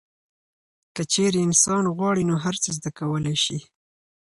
که چیرې انسان غواړي نو هر څه زده کولی شي.